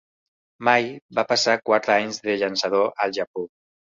May va passar quatre anys de llançador al Japó.